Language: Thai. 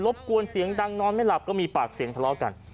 บกวนเสียงดังนอนไม่หลับก็มีปากเสียงทะเลาะกัน